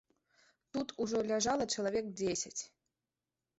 Тут ужо ляжала чалавек дзесяць.